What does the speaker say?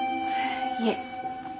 いえ。